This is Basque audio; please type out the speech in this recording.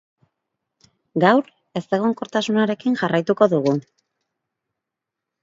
Gaur ezegonkortasunarekin jarraituko dugu.